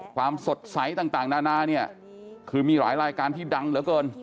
ความสดใสต่างนานาเนี่ยคือมีหลายรายการที่ดังเหลือเกิน